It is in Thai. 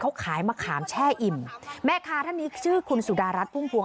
เขาขายมะขามแช่อิ่มแม่ค้าท่านนี้ชื่อคุณสุดารัฐพุ่มพวง